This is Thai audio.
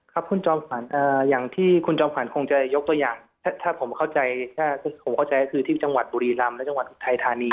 ครับคุณจอมขวัญอย่างที่คุณจอมขวัญคงจะยกตัวอย่างถ้าผมเข้าใจถ้าผมเข้าใจก็คือที่จังหวัดบุรีรำและจังหวัดอุทัยธานี